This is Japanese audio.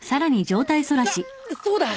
あっそうだ。